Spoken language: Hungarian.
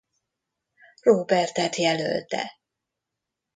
Róbertet jelölte.